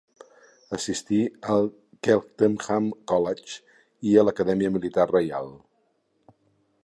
Assistí al Cheltenham College i a l'Acadèmia Militar Reial.